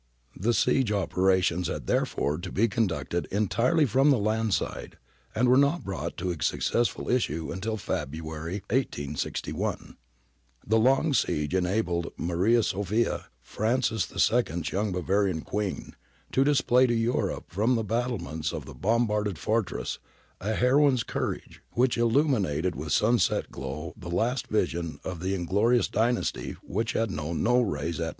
The siege operations had therefore to be conducted entirely from the land side, and were not brought to a successful issue until February, 1861. The long siege enabled Maria Sophia, Francis IPs young Bavarian Queen, to display to Europe from the battle ments of the bombarded fortress a heroine's courage, which illuminated with sunset glow the last vision of that inglorious dynasty which had known no rays at noontide.